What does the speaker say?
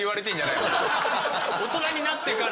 大人になってから。